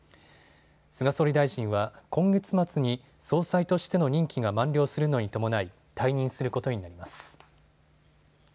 菅総理大臣は今月末に、総裁としての任期が満了するのに伴い、退任することになります。